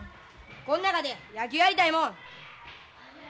こんなかで野球やりたいもん。